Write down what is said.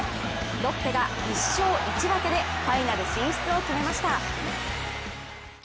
ロッテが１勝１分けでファイナル進出を決めました。